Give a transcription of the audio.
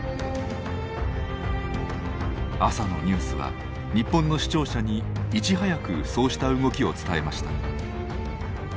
朝のニュースは日本の視聴者にいち早くそうした動きを伝えました。